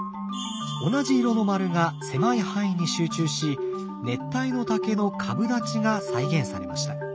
同じ色の丸が狭い範囲に集中し熱帯の竹の株立ちが再現されました。